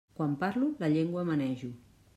Quan parlo, la llengua manejo.